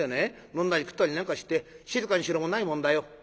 飲んだり食ったりなんかして『静かにしろ』もないもんだよ。